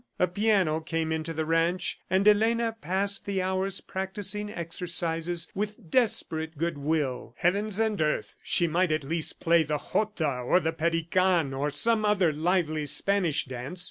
. A piano came into the ranch, and Elena passed the hours practising exercises with desperate good will. "Heavens and earth! She might at least play the Jota or the Perican, or some other lively Spanish dance!"